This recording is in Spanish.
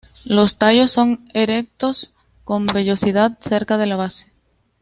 Los tallos son erectos con vellosidad cerca de la base.